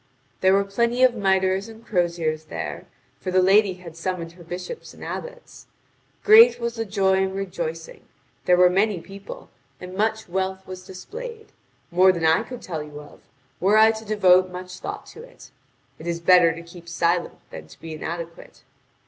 There were plenty of mitres and croziers there, for the lady had summoned her bishops and abbots. Great was the joy and rejoicing, there were many people, and much wealth was displayed more than I could tell you of, were I to devote much thought to it. It is better to keep silent than to be inadequate.